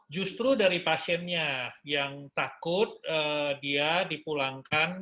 justru dari pasiennya yang takut dia dipulangkan